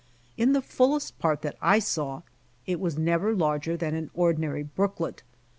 In the fullest part that I saw, it was never larger than an ordinary brooklet.